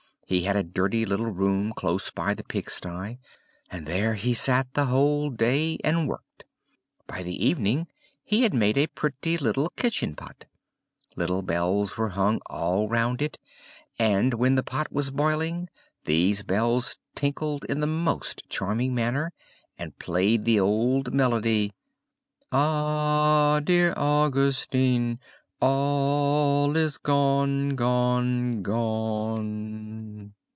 He had a dirty little room close by the pigsty; and there he sat the whole day, and worked. By the evening he had made a pretty little kitchen pot. Little bells were hung all round it; and when the pot was boiling, these bells tinkled in the most charming manner, and played the old melody, "Ach! du lieber Augustin, Alles ist weg, weg, weg!"* * "Ah! dear Augustine! All is gone, gone, gone!"